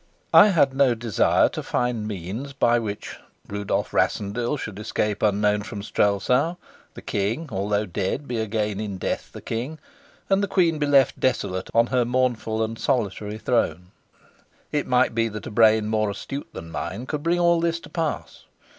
I had no desire to find means by which Rudolf Rassendyll should escape unknown from Strelsau; the king, although dead, be again in death the king, and the queen be left desolate on her mournful and solitary throne. It might be that a brain more astute than mine could bring all this to pass.